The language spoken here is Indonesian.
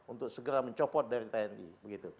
untuk segera mencopot dari tni begitu